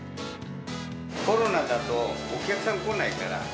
コロナだとお客さん来ないから。